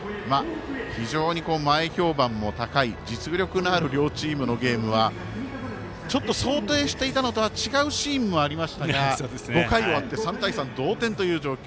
非常に前評判が高い実力のある両チームのゲームはちょっと想定していたのとは違うシーンもありましたが５回終わって３対３同点という状況。